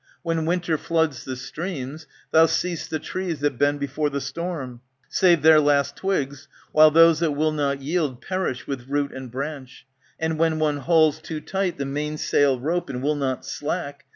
When winter floods the streams. Thou see'st the trees that bend before the storm. Save their last twigs, while those that will not yield Perish with root and branch. And when one hauls Too tight the mainsail rope, and will not slack.